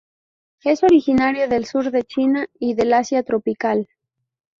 Es originario del sur de China y del Asia tropical.